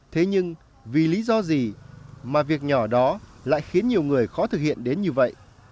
thế nhưng vì lý do gì mà việc nhỏ đó lại khiến nhiều người khó thực hiện đến như vậy